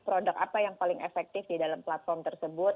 produk apa yang paling efektif di dalam platform tersebut